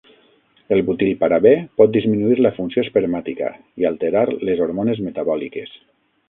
El butilparabè pot disminuir la funció espermàtica i alterar les hormones metabòliques.